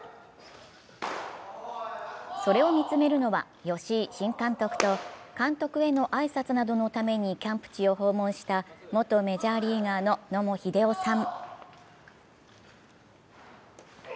それを見つめるのは、吉井新監督と監督への挨拶などのためにキャンプ地を訪問した元メジャーリーガーの野茂英雄さん。